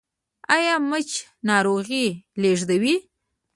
ایا مچ ناروغي لیږدوي؟